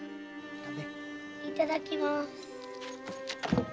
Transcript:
いただきます。